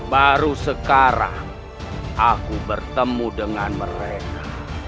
baru sekarang aku bertemu dengan mereka